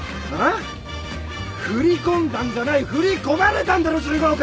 振り込んだんじゃない振り込まれたんだろ１５億！